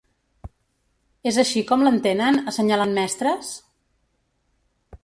És així com l’entenen, assenyalant mestres?